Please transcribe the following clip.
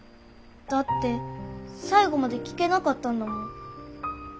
だって最後まで聞けなかったんだもん。